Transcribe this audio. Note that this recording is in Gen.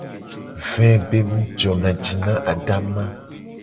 Ve be nu jona ji na adama.